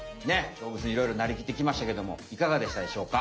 どうぶつにいろいろなりきってきましたけどもいかがでしたでしょうか？